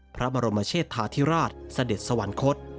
พระบรมเชษฐาธิราชเสด็จสวรรคต